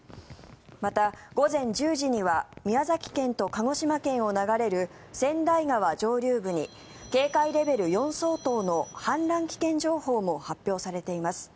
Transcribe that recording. また、午前１０時には宮崎県と鹿児島県を流れる川内川上流部に警戒レベル４相当の氾濫危険情報も発表されています。